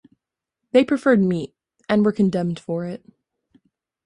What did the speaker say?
They preferred meat, and were condemned for it.